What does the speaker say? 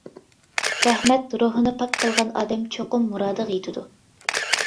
رەھمەت روھىنى پاك قىلغان ئادەم چوقۇم مۇرادىغا يېتىدۇ.